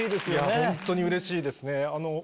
本当にうれしいですね。